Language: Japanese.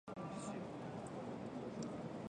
諦めないで